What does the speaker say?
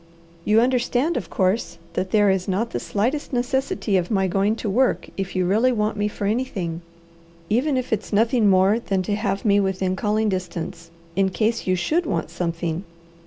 "You understand, of course, that there is not the slightest necessity for my going to work if you really want me for anything, even if it's nothing more than to have me within calling distance, in case you SHOULD want something.